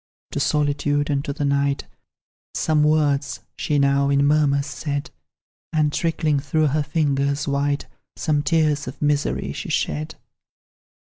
To solitude and to the night, Some words she now, in murmurs, said; And trickling through her fingers white, Some tears of misery she shed.